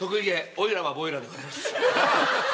おいらはボイラーでございます。